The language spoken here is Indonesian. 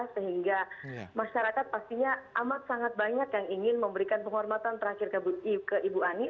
sehingga masyarakat pastinya amat sangat banyak yang ingin memberikan penghormatan terakhir ke ibu ani